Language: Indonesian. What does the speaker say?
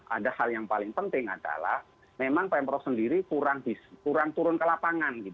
ada hal yang paling penting adalah memang pemprov sendiri kurang turun ke lapangan